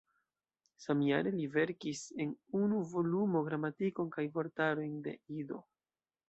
Samjare li verkis en unu volumo gramatikon kaj vortarojn de Ido.